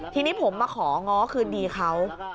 ทีนี้ผมมาของ้อคืนดีเขา